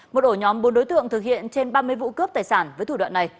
một ổ nhóm bốn đối tượng thực hiện trên ba mươi vụ cướp tài sản với thủ đoạn này